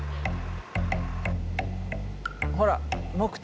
ほら！